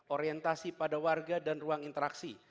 orientasi pada warga dan ruang interaksi